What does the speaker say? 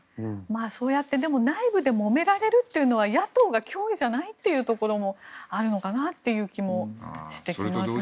そうやって内部でもめられるというのは野党が脅威じゃないというところもあるのかなって気もしてきますけど。